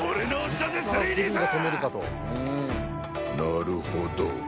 なるほど。